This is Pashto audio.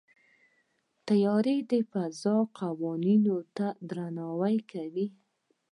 طیاره د فضا قوانینو ته درناوی کوي.